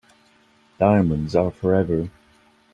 Diamonds are forever.